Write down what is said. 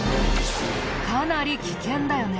かなり危険だよね。